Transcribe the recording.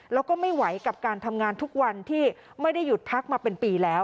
แล้วก็ไม่ไหวกับการทำงานทุกวันที่ไม่ได้หยุดพักมาเป็นปีแล้ว